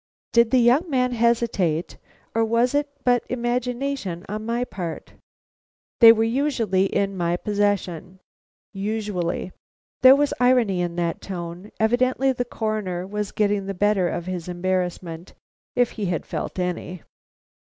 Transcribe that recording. Did the young man hesitate, or was it but imagination on my part "They were usually in my possession." "Usually!" There was irony in the tone; evidently the Coroner was getting the better of his embarrassment, if he had felt any.